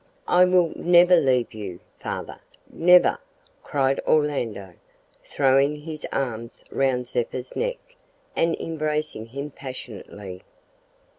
"I will never leave you, father, never!" cried Orlando, throwing his arms round Zeppa's neck and embracing him passionately.